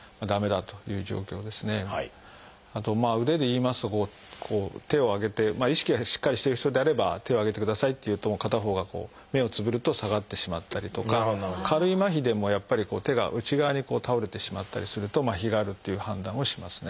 あと腕でいいますと手を上げて意識がしっかりしてる人であれば「手を上げてください」って言うと片方がこう目をつぶると下がってしまったりとか軽いまひでもやっぱり手が内側に倒れてしまったりするとまひがあるっていう判断をしますね。